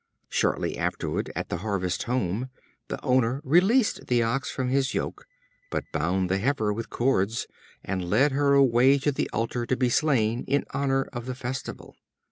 Shortly afterward, at the harvest home, the owner released the Ox from his yoke, but bound the Heifer with cords, and led her away to the altar to be slain in honor of the festival.